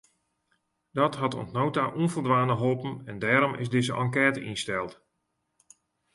Dat hat oant no ta ûnfoldwaande holpen en dêrom is dizze enkête ynsteld.